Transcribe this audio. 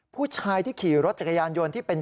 ผู้ชายที่ขี่รถจักรยานยนต์ที่เป็น